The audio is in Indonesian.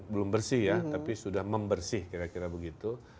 belum bersih ya tapi sudah membersih kira kira begitu